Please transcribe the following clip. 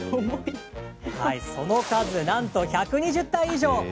その数なんと、１２０体以上。